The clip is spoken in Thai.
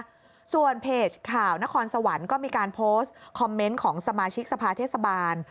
ส่วนเพจข่าวนครสวรรค์ก็มีการโพสต์คอมเมนต์ของสมาชิกสภาเทศบาล